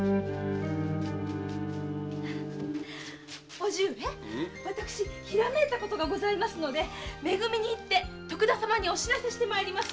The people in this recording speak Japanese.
叔父上私ひらめいたことがございますのでめ組に行って徳田様にお知らせして参ります。